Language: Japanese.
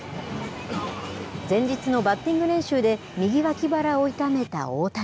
前日のバッティング練習で右脇腹を痛めた大谷。